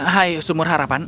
hai sumur harapan